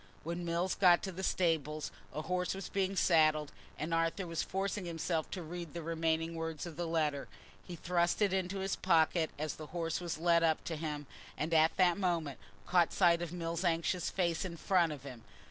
When Mills got to the stables, a horse was being saddled, and Arthur was forcing himself to read the remaining words of the letter. He thrust it into his pocket as the horse was led up to him, and at that moment caught sight of Mills' anxious face in front of him.